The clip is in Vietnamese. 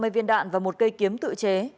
hai mươi viên đạn và một cây kiếm tự chế